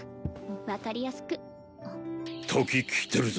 分かりやすく時来てるぞ！